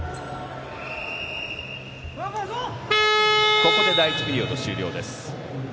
ここで第１ピリオド終了です。